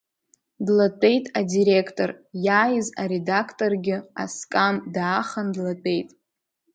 Длатәеит адиректор, иааиз аредакторгьы, аскам даахан, длатәеит.